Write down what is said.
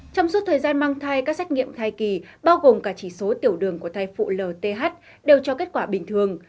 trong suốt thời gian mang thai các xét nghiệm thai kỳ bao gồm cả chỉ số tiểu đường của thai phụ lth đều cho kết quả bình thường